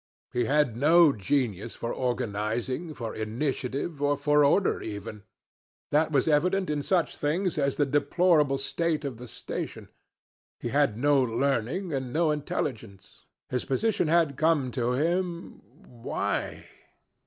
He had no genius for organizing, for initiative, or for order even. That was evident in such things as the deplorable state of the station. He had no learning, and no intelligence. His position had come to him why?